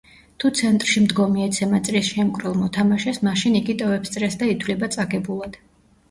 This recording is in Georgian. თუ ცენტრში მდგომი ეცემა წრის შემკვრელ მოთამაშეს, მაშინ იგი ტოვებს წრეს და ითვლება წაგებულად.